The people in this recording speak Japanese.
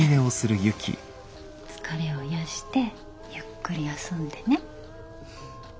疲れを癒やしてゆっくり休んでね。